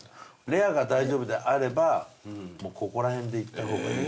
レアが大丈夫であればもうここら辺でいった方がいい。